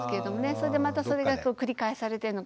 それでまたそれが繰り返されてるのかな。